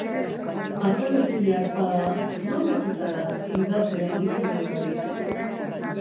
Atrebentzia ez bada, non bizi zara, idazle adiskide hori?